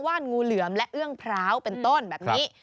นงูเหลือมและเอื้องพร้าวเป็นต้นแบบนี้